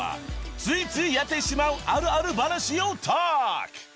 ［ついついやってしまうあるある話をトーク］